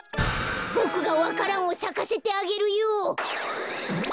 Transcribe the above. ボクがわか蘭をさかせてあげるよ。